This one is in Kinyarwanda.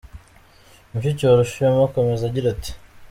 Mushiki wa Rushema akomeza agira ati: